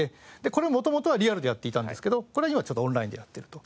これ元々はリアルでやっていたんですけどこれ今ちょっとオンラインでやっていると。